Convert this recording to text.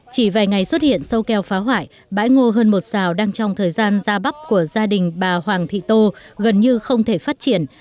chỉ vài ngày xuất hiện sâu keo phá hoại bãi ngô hơn một sào đang trong thời gian ra bắp của gia đình bà hoàng thị tô gần như không thể phát triển